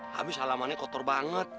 habis halaman kotor banget